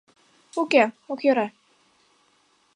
— Уке ок йӧрӧ...